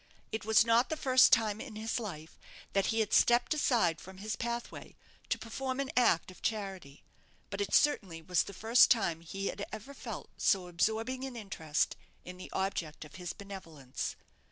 It was not the first time in his life that he had stepped aside from his pathway to perform an act of charity; but it certainly was the first time he had ever felt so absorbing an interest in the object of his benevolence.